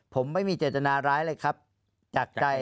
ผมไม่มีเจตนาร้ายเลยครับจากใจ